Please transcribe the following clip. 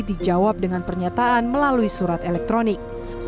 dijawab dengan pernyataan melalui surat elektronik